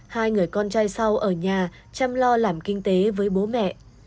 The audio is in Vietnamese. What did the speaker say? hai người con trai sau ở nhà chăm lo làm kinh tế với bố mẹ